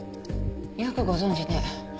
よくご存じね。